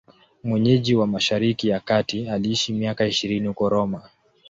Mwenyeji wa Mashariki ya Kati, aliishi miaka ishirini huko Roma.